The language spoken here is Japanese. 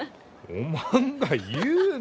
おまんが言うな！